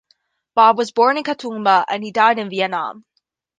Bob was born in Katoomba and he died in Vietnam.